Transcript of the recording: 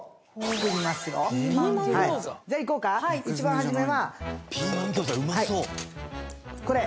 一番初めはこれ。